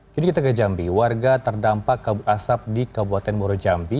kini kita ke jambi warga terdampak kabut asap di kabupaten muara jambi